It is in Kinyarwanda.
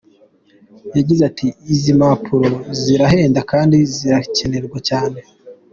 Yagize ati “Izi mpapuro zirahenda kandi zirakenerwa cyane.